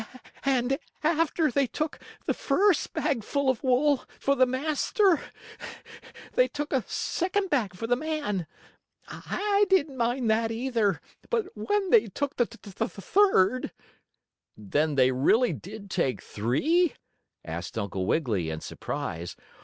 And after they took the first bag full of wool for the master they took a second bag for the man. I didn't mind that, either. But when they took the third " "Then they really did take three?" asked Uncle Wiggily, in surprise.